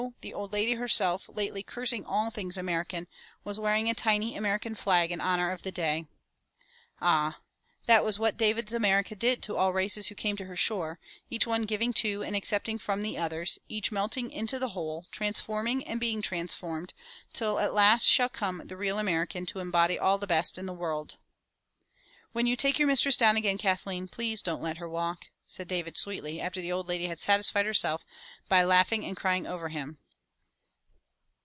the old lady herself, lately cursing all things American, was wearing a tiny American flag in honor of the day. Ah! that was what David's America did to all races who came to her shore, each one giving to and accept ing from the others, each melting into the whole, transforming and being transformed, till at last shall come the real American to embody all the best in the world. *'When you take your mistress down again, Kathleen, please don't let her walk," said David sweetly, after the old lady had satisfied herself by laughing and crying over him.